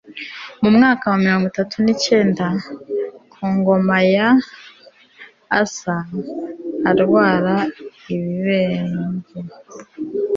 Mu mwaka wa mirongo itatu nicyenda ku ngoma ya Asa arwara ibirenge